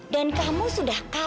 dan kamu sudah kalah edo